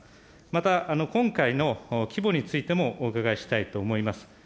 また、今回の規模についてもお伺いしたいと思います。